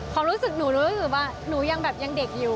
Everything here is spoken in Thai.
ผมรู้สึกว่าหนูยังแบบยังเด็กอยู่